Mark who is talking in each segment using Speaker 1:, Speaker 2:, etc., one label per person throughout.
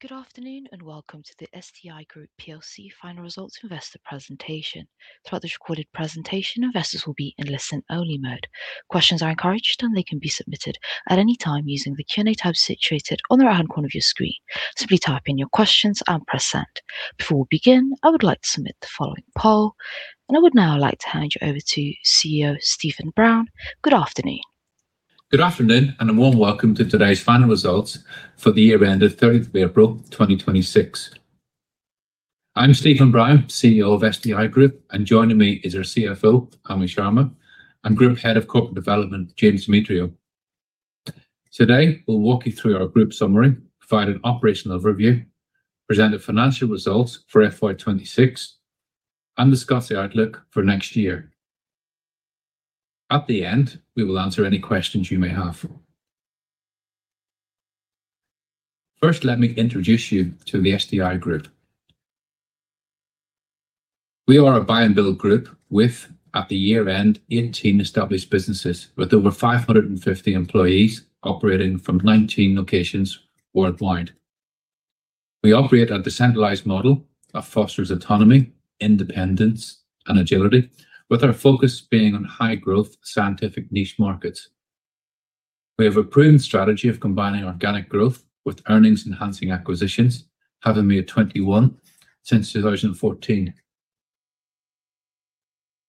Speaker 1: Good afternoon, and welcome to the SDI Group plc final results investor presentation. Throughout this recorded presentation, investors will be in listen only mode. Questions are encouraged, and they can be submitted at any time using the Q&A tab situated on the right-hand corner of your screen. Simply type in your questions and press send. Before we begin, I would like to submit the following poll, and I would now like to hand you over to CEO Stephen Brown. Good afternoon.
Speaker 2: Good afternoon, and a warm welcome to today's final results for the year end of 30th of April 2026. I'm Stephen Brown, CEO of SDI Group, and joining me is our CFO, Ami Sharma, and Group Head of Corporate Development, James Dimitriou. Today, we'll walk you through our group summary, provide an operational review, present the financial results for FY 2026, and discuss the outlook for next year. At the end, we will answer any questions you may have. First, let me introduce you to the SDI Group. We are a buy and build group with, at the year-end, 18 established businesses with over 550 employees operating from 19 locations worldwide. We operate a decentralized model that fosters autonomy, independence, and agility, with our focus being on high-growth scientific niche markets. We have a proven strategy of combining organic growth with earnings-enhancing acquisitions, having made 21 since 2014.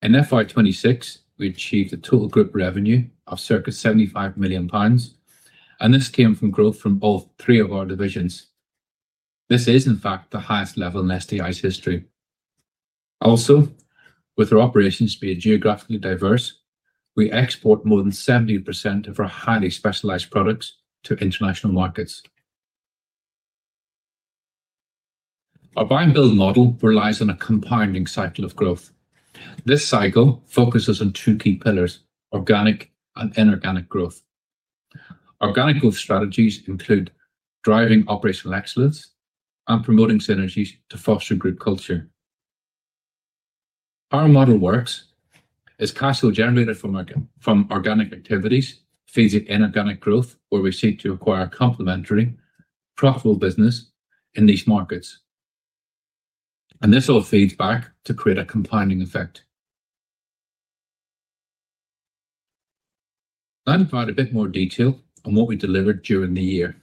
Speaker 2: In FY 2026, we achieved a total group revenue of circa 75 million pounds, and this came from growth from all three of our divisions. This is, in fact, the highest level in SDI's history. Also, with our operations being geographically diverse, we export more than 70% of our highly specialized products to international markets. Our buy-and-build model relies on a compounding cycle of growth. This cycle focuses on two key pillars: organic and inorganic growth. Organic growth strategies include driving operational excellence and promoting synergies to foster group culture. Our model works as cash flow generated from organic activities feeds it inorganic growth, where we seek to acquire complementary, profitable business in niche markets. This all feeds back to create a compounding effect. I'll provide a bit more detail on what we delivered during the year.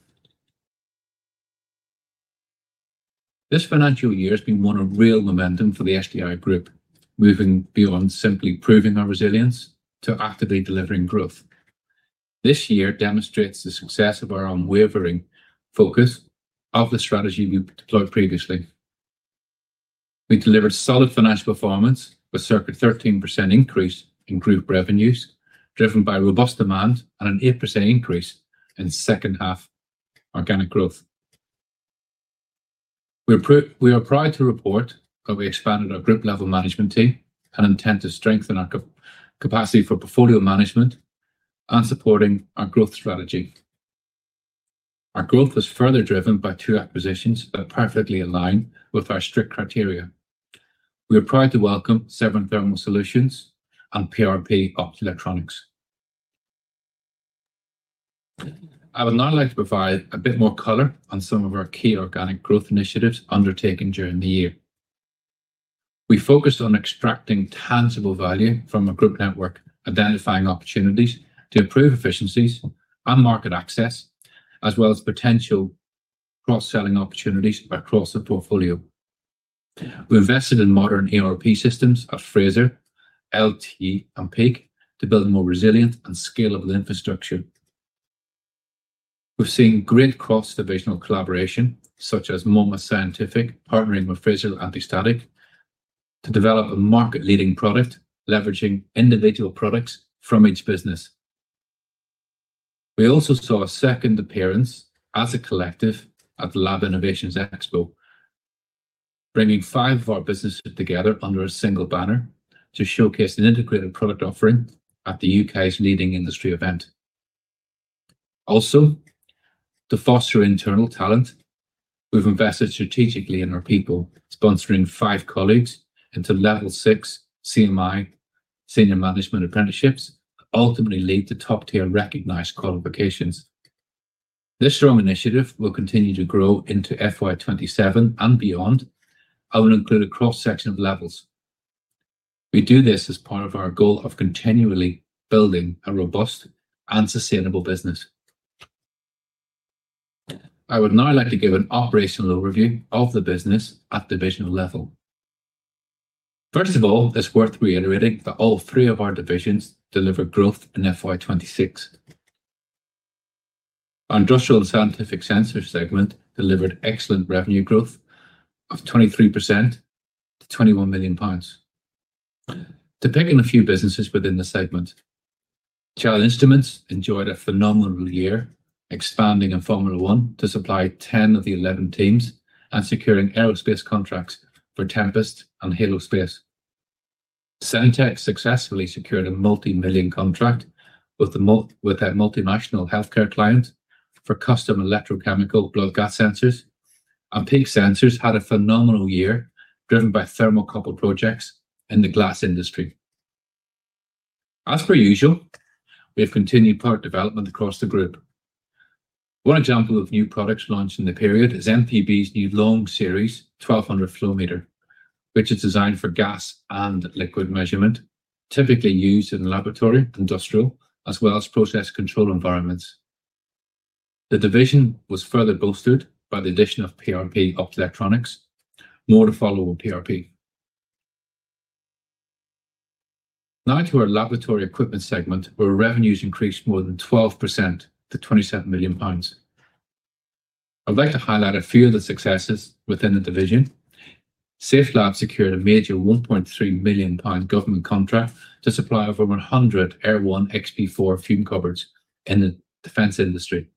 Speaker 2: This financial year has been one of real momentum for the SDI Group, moving beyond simply proving our resilience to actively delivering growth. This year demonstrates the success of our unwavering focus of the strategy we deployed previously. We delivered solid financial performance with circa 13% increase in group revenues, driven by robust demand and an 8% increase in second-half organic growth. We are proud to report that we expanded our group level management team and intend to strengthen our capacity for portfolio management and supporting our growth strategy. Our growth was further driven by two acquisitions that perfectly align with our strict criteria. We are proud to welcome Severn Thermal Solutions and PRP Optoelectronics. I would now like to provide a bit more color on some of our key organic growth initiatives undertaken during the year. We focused on extracting tangible value from our group network, identifying opportunities to improve efficiencies and market access, as well as potential cross-selling opportunities across the portfolio. We invested in modern ERP systems at Fraser, LT and Peak to build a more resilient and scalable infrastructure. We've seen great cross-divisional collaboration, such as Monmouth Scientific partnering with Fraser Anti-Static to develop a market-leading product leveraging individual products from each business. We also saw a second appearance as a collective at the Lab Innovations Expo, bringing five of our businesses together under a single banner to showcase an integrated product offering at the U.K.'s leading industry event. To foster internal talent, we've invested strategically in our people, sponsoring five colleagues into level 6 CMI senior management apprenticeships, ultimately lead to top-tier recognized qualifications. This strong initiative will continue to grow into FY 2027 and beyond and will include a cross-section of levels. We do this as part of our goal of continually building a robust and sustainable business. I would now like to give an operational overview of the business at divisional level. It's worth reiterating that all three of our divisions delivered growth in FY 2026. Our Industrial & Scientific Sensors segment delivered excellent revenue growth of 23% to 21 million pounds. Depicting a few businesses within the segment, Chell Instruments enjoyed a phenomenal year, expanding in Formula 1 to supply 10 of the 11 teams and securing aerospace contracts for Tempest and HALO Space. Sentek successfully secured a multimillion contract with a multinational healthcare client for custom electrochemical blood gas sensors. Peak Sensors had a phenomenal year driven by thermocouple projects in the glass industry. As per usual, we have continued product development across the group. One example of new products launched in the period is MPB's new Long Series 1200 flow meter, which is designed for gas and liquid measurement, typically used in laboratory, industrial, as well as process control environments. The division was further boosted by the addition of PRP Optoelectronics. More to follow with PRP. To our laboratory equipment segment, where revenues increased more than 12% to 27 million pounds. I'd like to highlight a few of the successes within the division. Safelab secured a major 1.3 million pound government contract to supply over 100 Air-1 XP4 fume cupboards in the defense industry.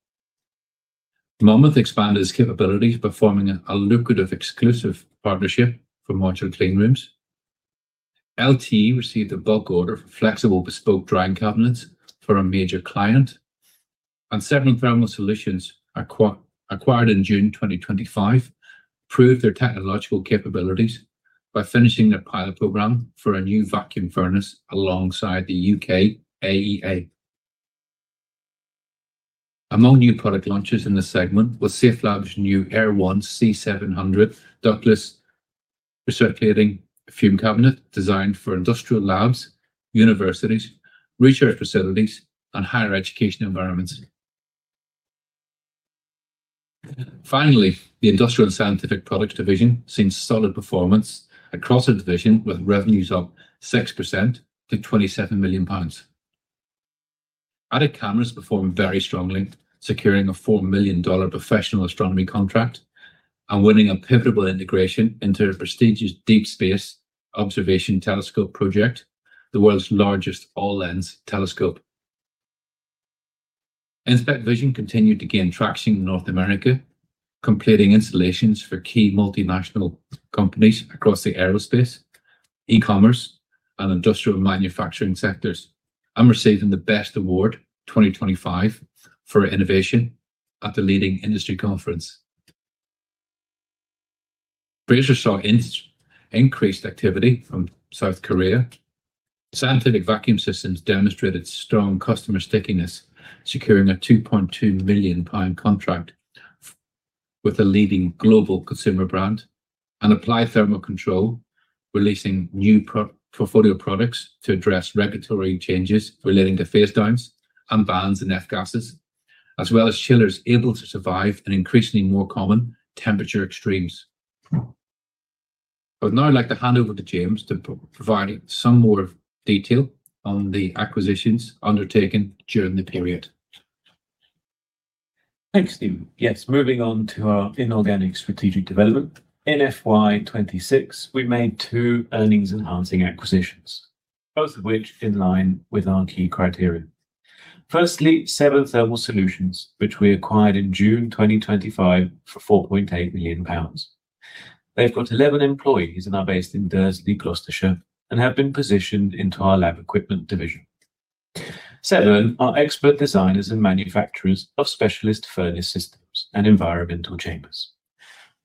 Speaker 2: Monmouth expanded its capabilities by forming a lucrative exclusive partnership for modular clean rooms. LT received a bulk order for flexible bespoke drying cabinets from a major client. Severn Thermal Solutions, acquired in June 2025, proved their technological capabilities by finishing their pilot program for a new vacuum furnace alongside the UKAEA. Among new product launches in this segment was Safelab's new Air-1 C700 ductless recirculating fume cabinet designed for industrial labs, universities, research facilities, and higher education environments. The Industrial & Scientific Products Division seen solid performance across the division, with revenues up 6% to 27 million pounds. Atik Cameras performed very strongly, securing a $4 million professional astronomy contract and winning a pivotal integration into the prestigious Deep Space Observation Telescope project, the world's largest all-lens telescope. InspecVision continued to gain traction in North America, completing installations for key multinational companies across the aerospace, e-commerce, and industrial manufacturing sectors, and receiving the Best Award 2025 for Innovation at the leading industry conference. Fraser saw increased activity from South Korea. Scientific Vacuum Systems demonstrated strong customer stickiness, securing a 2.2 million pound contract with a leading global consumer brand. Applied Thermal Control releasing new portfolio products to address regulatory changes relating to phase-downs and bans on F-gases, as well as chillers able to survive in increasingly more common temperature extremes. I would now like to hand over to James to provide some more detail on the acquisitions undertaken during the period.
Speaker 3: Thanks, Stephen. Yes, moving on to our inorganic strategic development. In FY 2026, we made two earnings-enhancing acquisitions, both of which in line with our key criteria. Firstly, Severn Thermal Solutions, which we acquired in June 2025 for 4.8 million pounds. They've got 11 employees and are based in Dursley, Gloucestershire, and have been positioned into our lab equipment division. Severn are expert designers and manufacturers of specialist furnace systems and environmental chambers.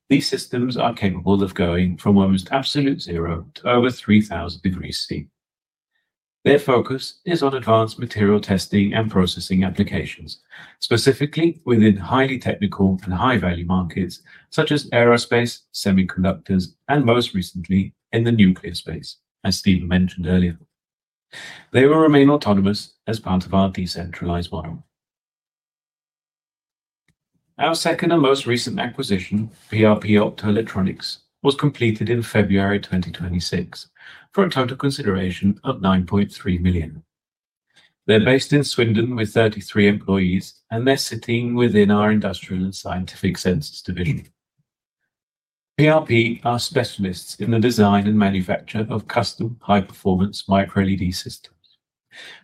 Speaker 3: These systems are capable of going from almost absolute zero to over 3,000 degrees C. Their focus is on advanced material testing and processing applications, specifically within highly technical and high-value markets such as aerospace, semiconductors, and most recently in the nuclear space, as Stephen mentioned earlier. They will remain autonomous as part of our decentralized model. Our second and most recent acquisition, PRP Optoelectronics, was completed in February 2026 for a total consideration of 9.3 million. They're based in Swindon with 33 employees, and they're sitting within our Industrial & Scientific Sensors division. PRP are specialists in the design and manufacture of custom high-performance microLED systems.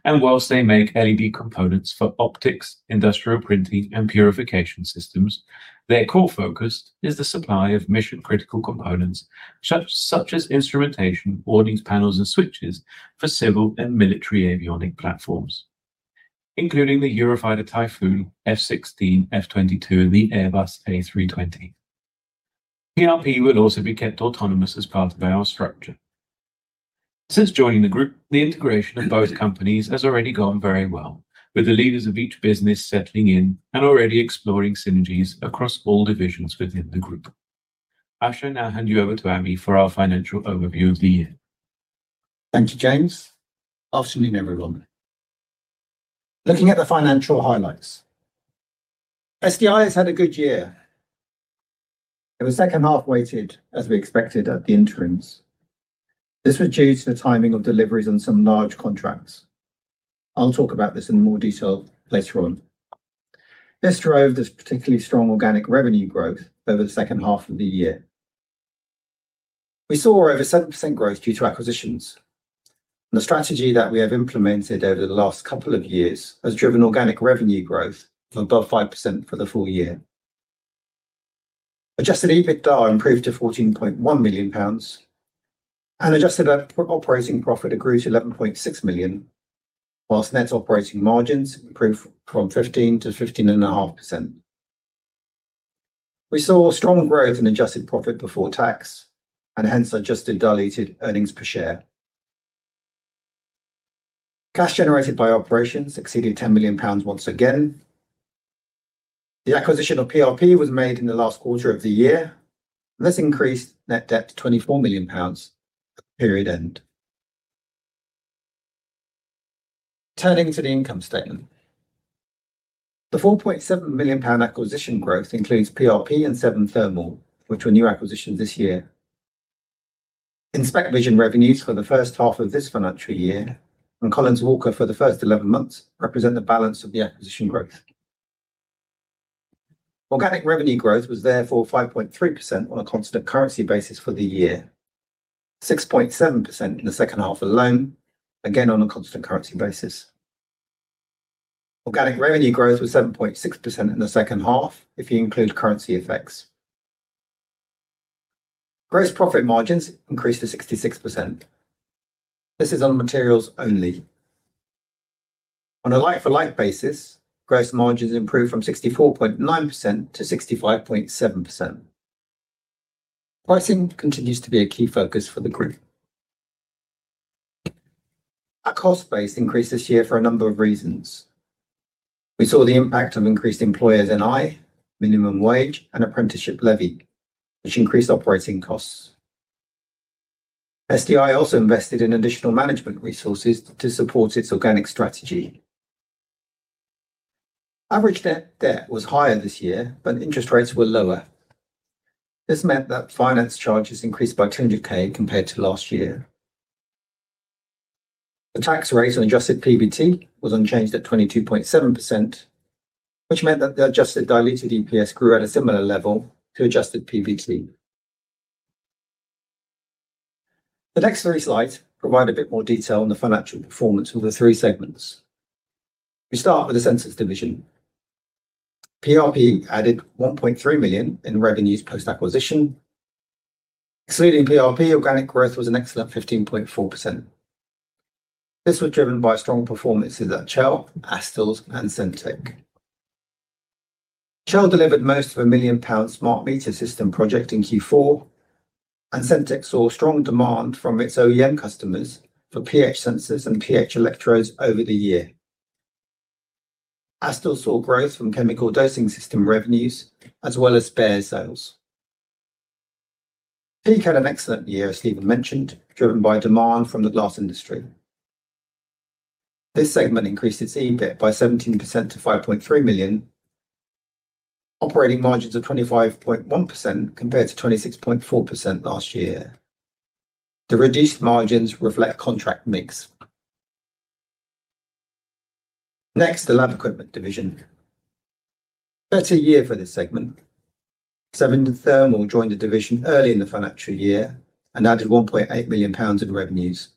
Speaker 3: Whilst they make LED components for optics, industrial printing, and purification systems, their core focus is the supply of mission-critical components such as instrumentation, warnings panels, and switches for civil and military avionic platforms, including the Eurofighter Typhoon, F-16, F-22, and the Airbus A320. PRP will also be kept autonomous as part of our structure. Since joining the group, the integration of both companies has already gone very well, with the leaders of each business settling in and already exploring synergies across all divisions within the group. I shall now hand you over to Ami for our financial overview of the year.
Speaker 4: Thank you, James. Afternoon, everyone. Looking at the financial highlights. SDI has had a good year. It was second half weighted as we expected at the interims. This was due to the timing of deliveries on some large contracts. I'll talk about this in more detail later on. This drove this particularly strong organic revenue growth over the second half of the year. We saw over 7% growth due to acquisitions, and the strategy that we have implemented over the last couple of years has driven organic revenue growth of above 5% for the full year. Adjusted EBITDA improved to 14.1 million pounds, and adjusted operating profit grew to 11.6 million, whilst net operating margins improved from 15%-15.5%. We saw strong growth in adjusted profit before tax, and hence adjusted diluted earnings per share. Cash generated by operations exceeded 10 million pounds once again. The acquisition of PRP was made in the last quarter of the year. This increased net debt to 24 million pounds at the period end. Turning to the income statement. The 4.7 million pound acquisition growth includes PRP and Severn Thermal, which were new acquisitions this year. InspecVision revenues for the first half of this financial year, and Collins Walker for the first 11 months, represent the balance of the acquisition growth. Organic revenue growth was therefore 5.3% on a constant currency basis for the year, 6.7% in the second half alone, again, on a constant currency basis. Organic revenue growth was 7.6% in the second half if you include currency effects. Gross profit margins increased to 66%. This is on materials only. On a like-for-like basis, gross margins improved from 64.9% to 65.7%. Pricing continues to be a key focus for the group. Our cost base increased this year for a number of reasons. We saw the impact of increased employers NI, minimum wage, and apprenticeship levy, which increased operating costs. SDI also invested in additional management resources to support its organic strategy. Average net debt was higher this year. Interest rates were lower. This meant that finance charges increased by 100,000 compared to last year. The tax rate on adjusted PBT was unchanged at 22.7%, which meant that the adjusted diluted EPS grew at a similar level to adjusted PBT. The next three slides provide a bit more detail on the financial performance of the three segments. We start with the Sensors division. PRP added 1.3 million in revenues post-acquisition. Excluding PRP, organic growth was an excellent 15.4%. This was driven by strong performances at Chell, Astles, and Sentek. Chell delivered most of a million-pound smart meter system project in Q4. Sentek saw strong demand from its OEM customers for pH sensors and pH electrodes over the year. Astles saw growth from chemical dosing system revenues as well as spare sales. Peak had an excellent year, as Stephen mentioned, driven by demand from the glass industry. This segment increased its EBIT by 17% to 5.3 million, operating margins of 25.1% compared to 26.4% last year. The reduced margins reflect contract mix. Next, the Lab Equipment division. Better year for this segment. Severn Thermal joined the division early in the financial year and added 1.8 million pounds in revenues.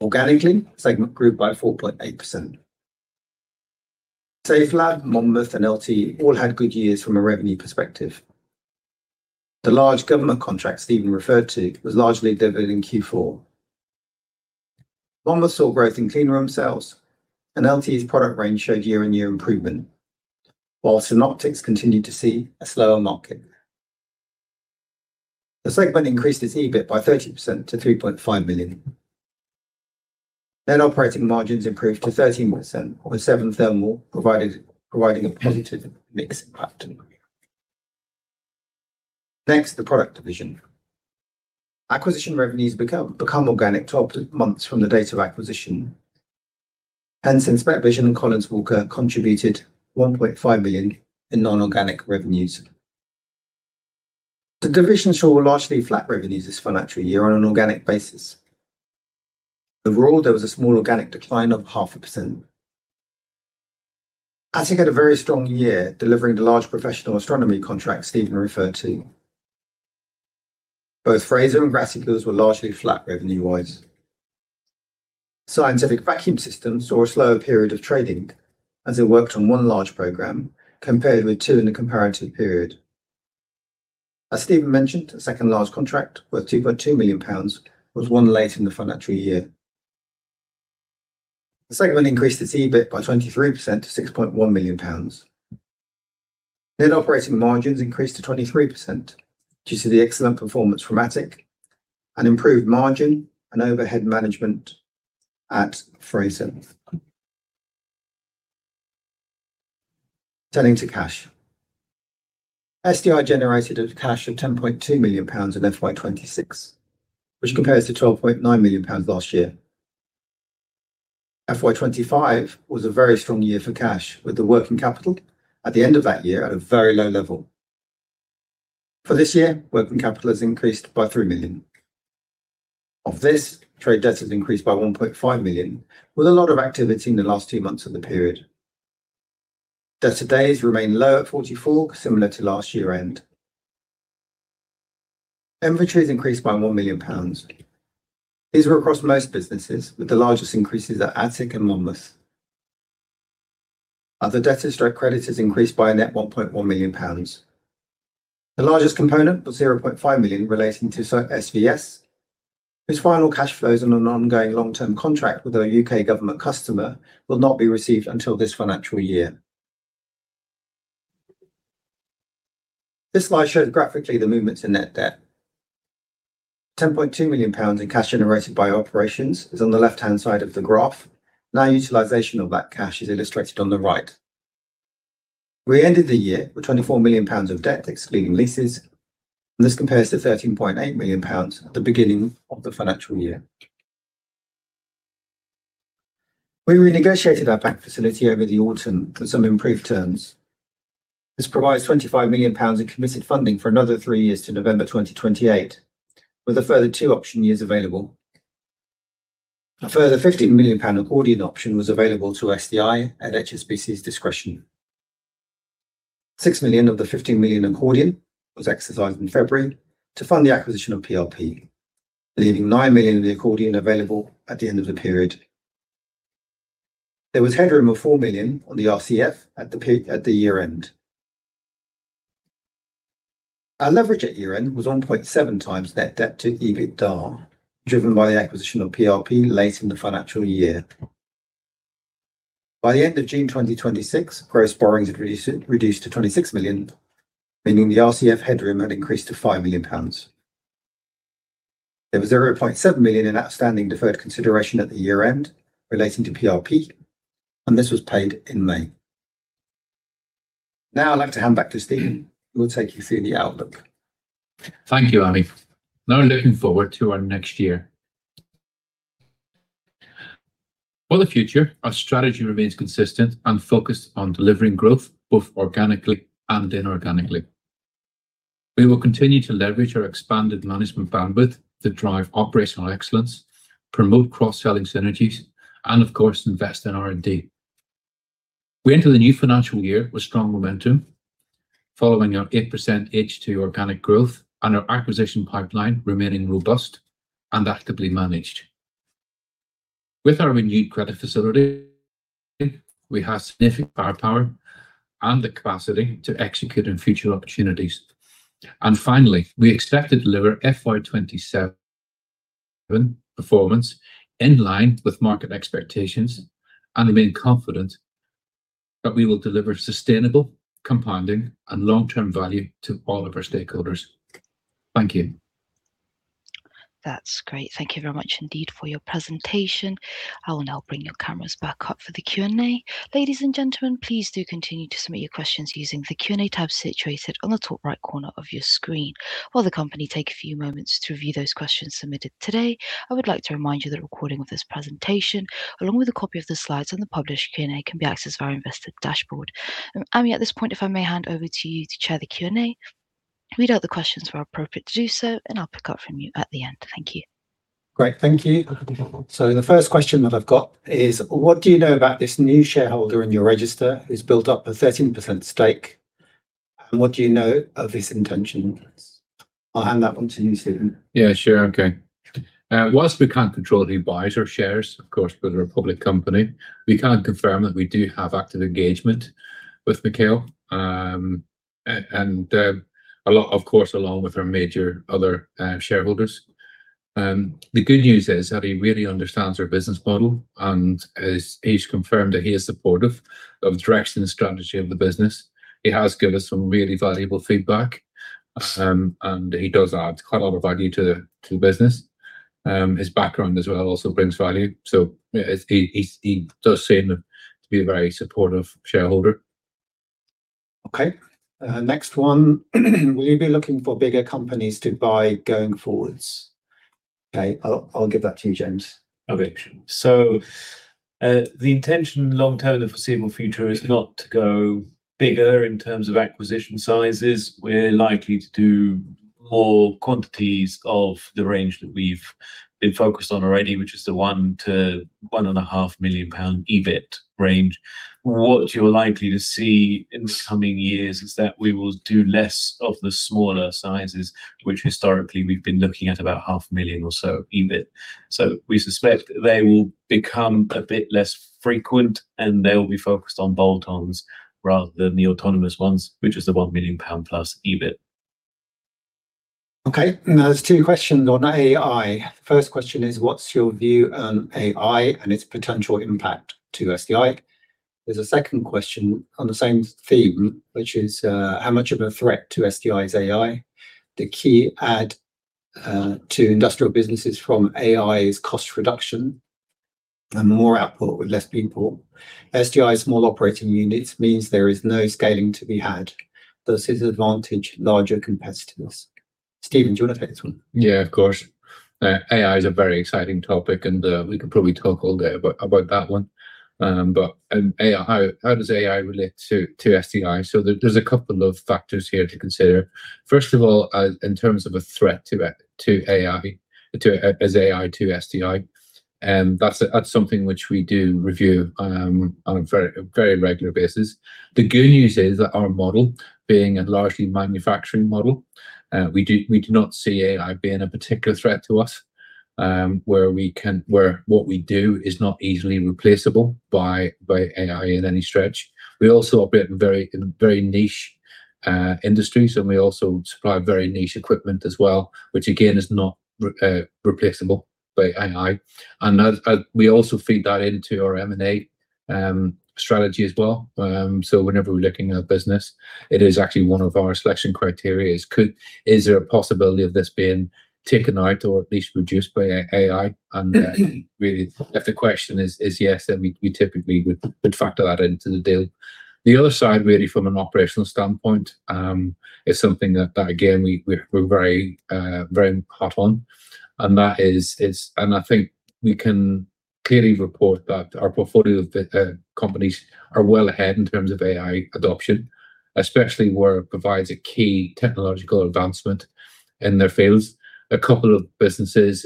Speaker 4: Organically, segment grew by 4.8%. Safelab, Monmouth, and LT all had good years from a revenue perspective. The large government contract Stephen referred to was largely delivered in Q4. Monmouth saw growth in clean room sales. LT's product range showed year-on-year improvement, while Synoptics continued to see a slower market. The segment increased its EBIT by 30% to 3.5 million. Net operating margins improved to 13% with Severn Thermal providing a positive mix impact. Next, the Product division. Acquisition revenues become organic 12 months from the date of acquisition. InspecVision and Collins Walker contributed 1.5 million in non-organic revenues. The division saw largely flat revenues this financial year on an organic basis. Overall, there was a small organic decline of half a percent. Atik had a very strong year delivering the large professional astronomy contract Stephen referred to. Both Fraser and Graticules were largely flat revenue-wise. Scientific Vacuum Systems saw a slower period of trading as it worked on one large program compared with two in the comparative period. As Stephen mentioned, the second largest contract worth 2.2 million pounds was won late in the financial year. The segment increased its EBIT by 23% to 6.1 million pounds. Net operating margins increased to 23% due to the excellent performance from Atik and improved margin and overhead management at Fraser. Turning to cash. SDI generated a cash of 10.2 million pounds in FY 2026, which compares to 12.9 million pounds last year. FY 2025 was a very strong year for cash, with the working capital at the end of that year at a very low level. For this year, working capital has increased by 3 million. Of this, trade debt has increased by 1.5 million, with a lot of activity in the last 2 months of the period. Debtor days remain low at 44, similar to last year-end. Inventories increased by 1 million pounds. These were across most businesses, with the largest increases at Atik and Monmouth. Other debtors direct credit has increased by a net 1.1 million pounds. The largest component was 0.5 million relating to SVS. Final cash flows on an ongoing long-term contract with a U.K. government customer will not be received until this financial year. This slide shows graphically the movements in net debt. 10.2 million pounds in cash generated by operations is on the left-hand side of the graph. Utilization of that cash is illustrated on the right. We ended the year with 24 million pounds of debt, excluding leases, and this compares to 13.8 million pounds at the beginning of the financial year. We renegotiated our bank facility over the autumn for some improved terms. This provides 25 million pounds in committed funding for another 3 years to November 2028, with a further two option years available. A further 15 million accordion option was available to SDI at HSBC's discretion. 6 million of the 15 million accordion was exercised in February to fund the acquisition of PRP, leaving 9 million in the accordion available at the end of the period. There was headroom of 4 million on the RCF at the year-end. Our leverage at year-end was 1.7x net debt to EBITDA, driven by the acquisition of PRP late in the financial year. By the end of June 2026, gross borrowings had reduced to 26 million, meaning the RCF headroom had increased to 5 million pounds. There was 0.7 million in outstanding deferred consideration at the year-end relating to PRP, and this was paid in May. I'd like to hand back to Stephen, who will take you through the outlook.
Speaker 2: Thank you, Ami. Looking forward to our next year. For the future, our strategy remains consistent and focused on delivering growth both organically and inorganically. We will continue to leverage our expanded management bandwidth to drive operational excellence, promote cross-selling synergies, and of course, invest in R&D. We enter the new financial year with strong momentum following our 8% H2 organic growth and our acquisition pipeline remaining robust and actively managed. With our renewed credit facility, we have significant firepower and the capacity to execute on future opportunities. Finally, we expect to deliver FY 2027 performance in line with market expectations and remain confident that we will deliver sustainable compounding and long-term value to all of our stakeholders. Thank you.
Speaker 1: That's great. Thank you very much indeed for your presentation. I will now bring your cameras back up for the Q&A. Ladies and gentlemen, please do continue to submit your questions using the Q&A tab situated on the top right corner of your screen. While the company take a few moments to review those questions submitted today, I would like to remind you that a recording of this presentation, along with a copy of the slides and the published Q&A, can be accessed via our investor dashboard. Ami, at this point, if I may hand over to you to chair the Q&A. Read out the questions where appropriate to do so, and I'll pick up from you at the end. Thank you.
Speaker 4: Great. Thank you. The first question that I've got is, what do you know about this new shareholder in your register who's built up a 13% stake, and what do you know of his intentions? I'll hand that one to you, Stephen.
Speaker 2: Yeah, sure. Okay. Whilst we can't control who buys our shares, of course, we're a public company, we can confirm that we do have active engagement with Mikhail. Of course, along with our major other shareholders. The good news is that he really understands our business model and he's confirmed that he is supportive of the direction and strategy of the business. He has given us some really valuable feedback, and he does add quite a lot of value to the business. His background as well also brings value. He does seem to be a very supportive shareholder.
Speaker 4: Okay. Next one. Will you be looking for bigger companies to buy going forwards? Okay, I'll give that to you, James.
Speaker 3: Okay. The intention long term in the foreseeable future is not to go bigger in terms of acquisition sizes. We are likely to do more quantities of the range that we have been focused on already, which is the one to 1 million-1.5 million pound EBIT range. What you are likely to see in the coming years is that we will do less of the smaller sizes, which historically we have been looking at about 0.5 million or so EBIT. We suspect that they will become a bit less frequent, and they will be focused on bolt-ons rather than the autonomous ones, which is the 1 million pound plus EBIT.
Speaker 4: Okay. Now there are two questions on AI. First question is, what is your view on AI and its potential impact to SDI? There is a second question on the same theme, which is, how much of a threat to SDI is AI? The key add to industrial businesses from AI is cost reduction and more output with less people. SDI's small operating units mean there is no scaling to be had. Does this advantage larger competitors? Stephen, do you want to take this one?
Speaker 2: Yeah, of course. AI is a very exciting topic and we could probably talk all day about that one. How does AI relate to SDI? There are a couple of factors here to consider. First of all, in terms of a threat as AI to SDI, that is something which we do review on a very regular basis. The good news is that our model, being a largely manufacturing model, we do not see AI being a particular threat to us. Where what we do is not easily replaceable by AI in any stretch. We also operate in very niche industries, and we also supply very niche equipment as well, which again is not replaceable by AI. We also feed that into our M&A strategy as well. Whenever we are looking at a business, it is actually one of our selection criteria is there a possibility of this being taken out or at least reduced by AI? Really, if the question is yes, then we typically would factor that into the deal. The other side really from an operational standpoint, is something that, again, we are very hot on. I think we can clearly report that our portfolio of companies is well ahead in terms of AI adoption, especially where it provides a key technological advancement in their fields. A couple of businesses,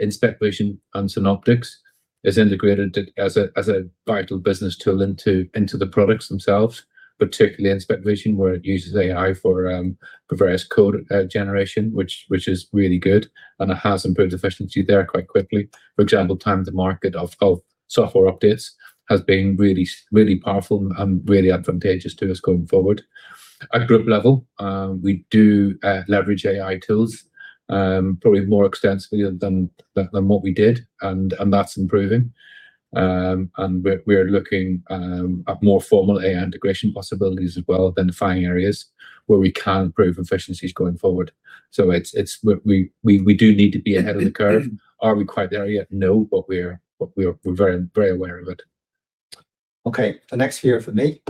Speaker 2: InspecVision and Synoptics, are integrated as a vital business tool into the products themselves, particularly InspecVision, where it uses AI for various code generation, which is really good, and it has improved efficiency there quite quickly. For example, time to market of software updates has been really powerful and really advantageous to us going forward. At group level, we do leverage AI tools, probably more extensively than what we did, and that's improving. We're looking at more formal AI integration possibilities as well, identifying areas where we can improve efficiencies going forward. We do need to be ahead of the curve. Are we quite there yet? No, but we're very aware of it.
Speaker 4: Okay, the next few are for me.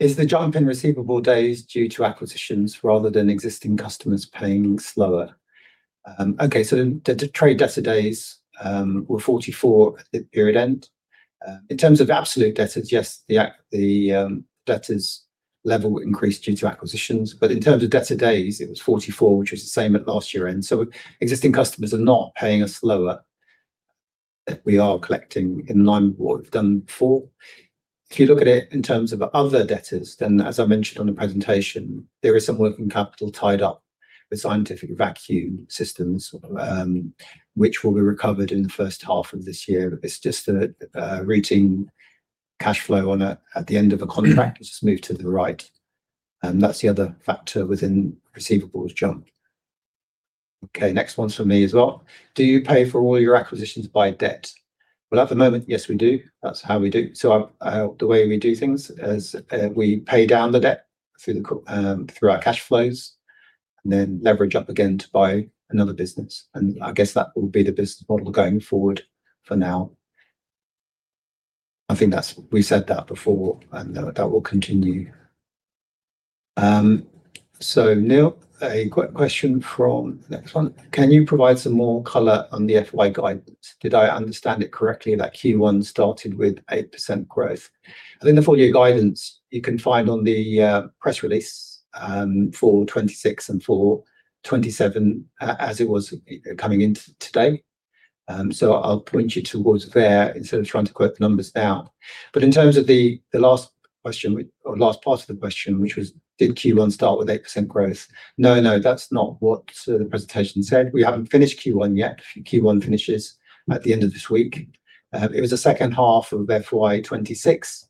Speaker 4: Is the jump in receivable days due to acquisitions rather than existing customers paying slower? The trade debtor days were 44 at the period end. In terms of absolute debtors, yes, the debtors' level increased due to acquisitions. In terms of debtor days, it was 44, which was the same at last year-end. Existing customers are not paying us slower. We are collecting in line with what we've done before. If you look at it in terms of other debtors, as I mentioned on the presentation, there is some working capital tied up with Scientific Vacuum Systems, which will be recovered in the first half of this year. It's just a routine cash flow at the end of a contract. It's just moved to the right. That's the other factor within receivables jump. Okay, next one's for me as well. Do you pay for all your acquisitions by debt? Well, at the moment, yes, we do. That's how we do. The way we do things is we pay down the debt through our cash flows, then leverage up again to buy another business, I guess that will be the business model going forward for now. I think we said that before, that will continue. Neil, a question from the next one. Can you provide some more color on the FY guidance? Did I understand it correctly that Q1 started with 8% growth? I think the full year guidance you can find on the press release, for FY 2026 and for FY 2027, as it was coming into today. I'll point you towards there instead of trying to quote the numbers now. In terms of the last question, or last part of the question, which was, did Q1 start with 8% growth? No, no, that's not what the presentation said. We haven't finished Q1 yet. Q1 finishes at the end of this week. It was the second half of FY 2026,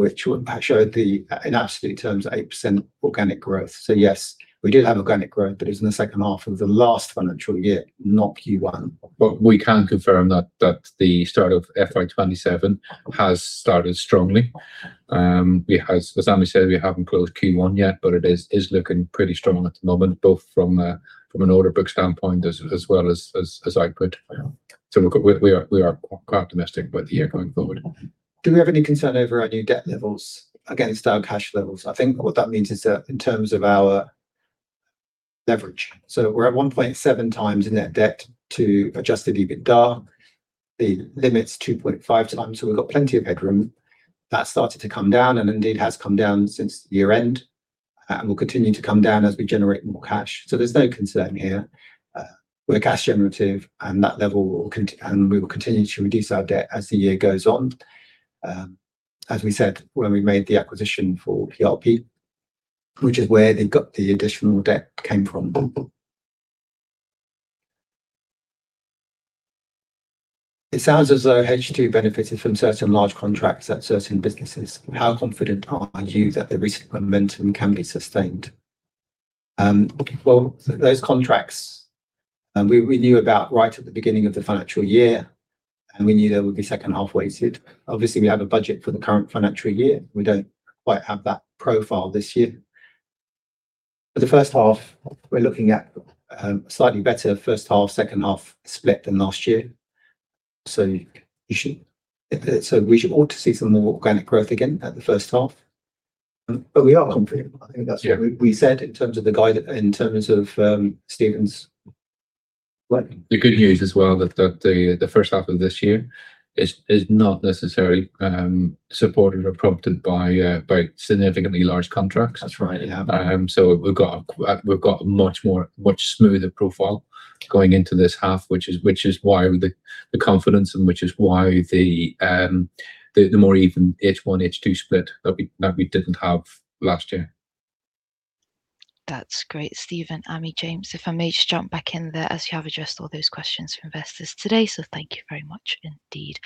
Speaker 4: which showed, in absolute terms, 8% organic growth. Yes, we did have organic growth, but it was in the second half of the last financial year, not Q1.
Speaker 2: We can confirm that the start of FY 2027 has started strongly. As Ami said, we haven't closed Q1 yet, it is looking pretty strong at the moment, both from an order book standpoint as well as output. Look, we are quite optimistic about the year going forward.
Speaker 4: Do we have any concern over our new debt levels against our cash levels? I think what that means is that in terms of our leverage. We're at 1.7x net debt to adjusted EBITDA. The limit's 2.5x. We've got plenty of headroom. That's started to come down and indeed has come down since year-end, and will continue to come down as we generate more cash. There's no concern here. We're cash generative, and we will continue to reduce our debt as the year goes on. As we said when we made the acquisition for PRP, which is where the additional debt came from. It sounds as though H2 benefited from certain large contracts at certain businesses. How confident are you that the recent momentum can be sustained? Okay. Those contracts we knew about right at the beginning of the financial year, we knew they would be second half weighted. Obviously, we have a budget for the current financial year. We don't quite have that profile this year. For the first half, we're looking at a slightly better first half, second half split than last year. We ought to see some more organic growth again at the first half. We are confident. I think that's what we said in terms of, Stephen?
Speaker 2: The good news as well that the first half of this year is not necessarily supported or prompted by significantly large contracts.
Speaker 4: That's right, yeah.
Speaker 2: We've got a much smoother profile going into this half, which is why the confidence and which is why the more even H1, H2 split that we didn't have last year.
Speaker 1: That's great. Stephen, Ami, James, if I may just jump back in there as you have addressed all those questions from investors today, thank you very much indeed.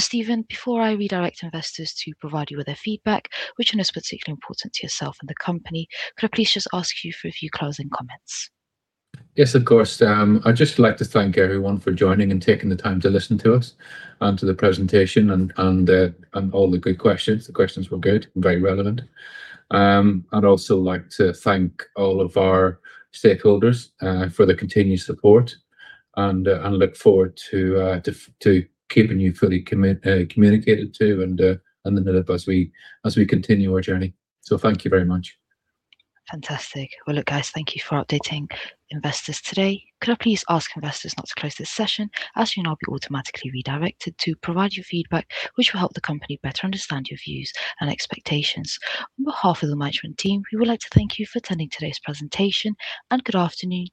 Speaker 1: Stephen, before I redirect investors to provide you with their feedback, which I know is particularly important to yourself and the company, could I please just ask you for a few closing comments?
Speaker 2: Yes, of course. I'd just like to thank everyone for joining and taking the time to listen to us and to the presentation and all the good questions. The questions were good and very relevant. I'd also like to thank all of our stakeholders for their continued support and look forward to keeping you fully communicated to and in the loop as we continue our journey. Thank you very much.
Speaker 1: Fantastic. Well, look, guys, thank you for updating investors today. Could I please ask investors not to close this session as you'll now be automatically redirected to provide your feedback which will help the company better understand your views and expectations. On behalf of the management team, we would like to thank you for attending today's presentation and good afternoon to-